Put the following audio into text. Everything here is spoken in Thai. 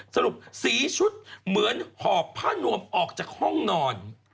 สรุปสีชุดเหมือนหอบผ้านวมออกจากห้องนอน